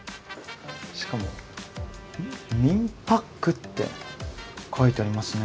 しかも「みんぱっく」って書いてありますね。